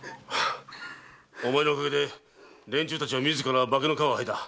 お前のおかげで連中たちは自ら化けの皮を剥いだ。